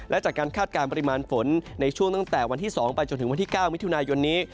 และจากการคาดการณ์ปริมาณฝนในช่วงตั้งแต่วันที่๒ไปจนถึงวันที่๙มิถุนายนนี้